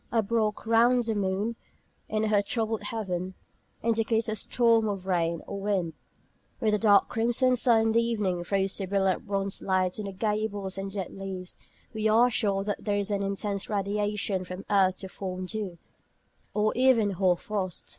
A "broch" round the moon, in her troubled heaven, indicates a storm of rain or wind. When the dark crimson sun in the evening throws a brilliant bronzed light on the gables and dead leaves, we are sure that there is an intense radiation from the earth to form dew, or even hoar frost.